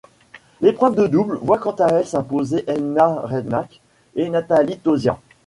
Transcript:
L'épreuve de double voit quant à elle s'imposer Elna Reinach et Nathalie Tauziat.